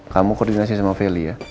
kamu koordinasi sama feli ya